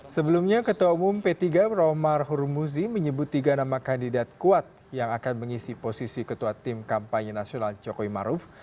sebelumnya ketua umum p tiga romar hurmuzi menyebut tiga nama kandidat kuat yang akan mengisi posisi ketua tim kampanye nasional jokowi maruf